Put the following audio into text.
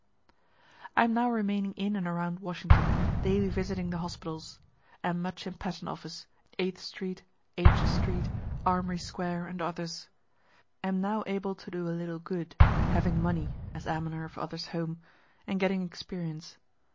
I am now remaining in and around Washington, daily visiting the hospitals. Am much in Patent office, Eighth street, H street, Armory square, and others. Am now able to do a little good, having money, (as almoner of others home,) and getting experience.